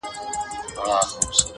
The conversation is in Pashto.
موږه كرلي دي اشنا دشاعر پښو ته زړونه”